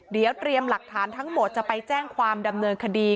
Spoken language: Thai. เดี๋ยวเตรียมหลักฐานทั้งหมดจะไปแจ้งความดำเนินคดี